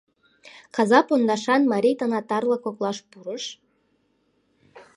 Каза пондашан марий танатарла коклаш пурыш: